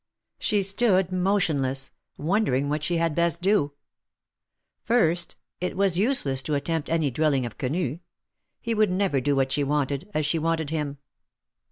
She stood motionless, wondering what she had best do. First, it was useless to attempt any drilling of Quenu : he would never do what she Avanted, as she Avanted him.